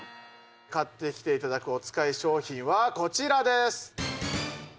買ってきていただくおつかい商品はこちらです。